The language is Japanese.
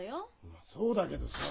まあそうだけどさ。